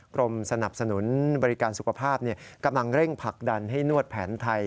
กรมสนับสนุนบริการสุขภาพกำลังเร่งผลักดันให้นวดแผนไทย